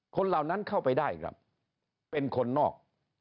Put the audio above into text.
เหล่านั้นเข้าไปได้ครับเป็นคนนอก